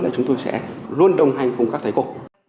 là chúng tôi sẽ luôn đồng hành cùng các thầy cô